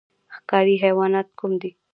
ښکاري حیوانات کوم دي؟